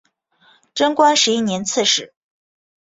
贞观十一年刺史。